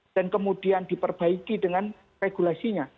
dan kemudian diperbaiki dengan regulasinya